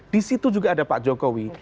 di situ juga ada pak jokowi